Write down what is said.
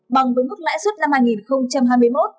bằng với mức lãi suất năm hai nghìn hai mươi một